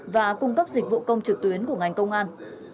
và cung cấp dịch vụ công trực tuyến của ngành công an